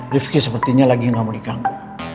rifki sepertinya lagi gak mau diganggu